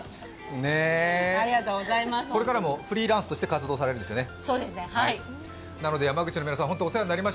これからもフリーランスとして活動されるんですね。